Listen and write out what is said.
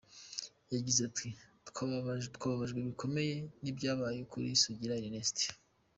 Yagize ati "Twababajwe bikomeye n’ibyabaye kuri Sugira Ernest.